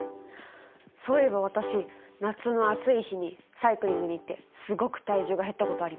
そういえば私夏の暑い日にサイクリングに行ってすごく体重が減ったことあります。